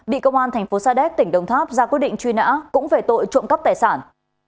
bị công an thành phố sa đéc tỉnh đồng tháp ra quyết định truy nã cũng về tội trộm cắp tài sản